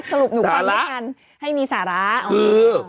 สรุปหนูความไม่งานให้มีสาระสาระคือ